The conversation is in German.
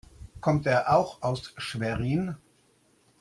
Kommt er auch aus Schwerin?